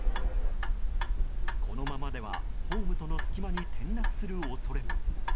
このままではホームとの隙間に転落する恐れも。